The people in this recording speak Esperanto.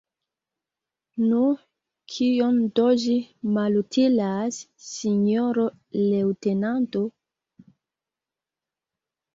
Nu, kion do ĝi malutilas, sinjoro leŭtenanto?